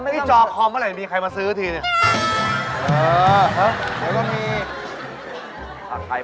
นี่จอคอมเมื่อไหร่มีใครมาซื้อทีเนี่ย